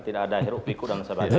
tidak ada hirup piku dan sebagainya